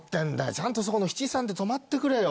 ちゃんとそこの七三で止まってくれよ！」。